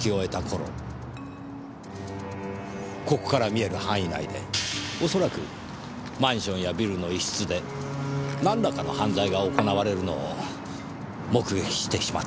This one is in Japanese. ここから見える範囲内でおそらくマンションやビルの一室でなんらかの犯罪が行われるのを目撃してしまった。